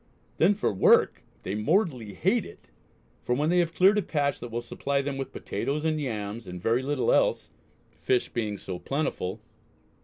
Then for work they mortally hate it, for when they have cleared a patch that will supply them with potatoes and yams and very little else, fish being so plentiful....